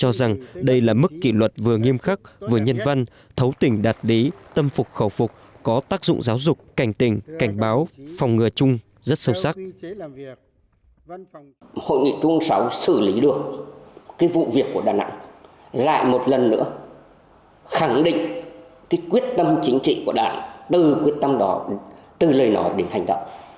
hội nghị trung ương sáu xử lý được cái vụ việc của đà nẵng lại một lần nữa khẳng định cái quyết tâm chính trị của đảng từ quyết tâm đó từ lời nói đến hành động